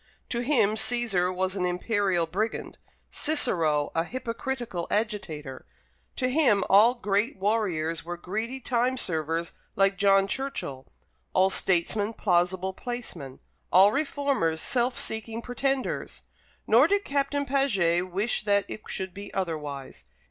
To him Cæsar was an imperial brigand, Cicero a hypocritical agitator. To him all great warriors were greedy time servers like John Churchill; all statesmen plausible placemen; all reformers self seeking pretenders. Nor did Captain Paget wish that it should be otherwise.